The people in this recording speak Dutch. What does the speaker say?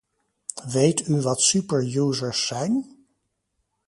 Weet u wat super users zijn?